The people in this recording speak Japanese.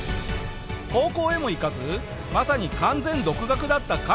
高校へも行かずまさに完全独学だったカリスさん。